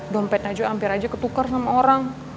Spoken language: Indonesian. dompet aja hampir aja ketukar sama orang